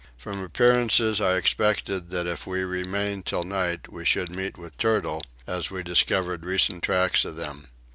From appearances I expected that if we remained till night we should meet with turtle as we discovered recent tracks of them.